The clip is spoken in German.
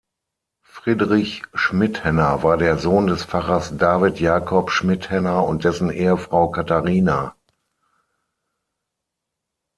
Friedrich Schmitthenner war der Sohn des Pfarrers David Jakob Schmitthenner und dessen Ehefrau Catarina.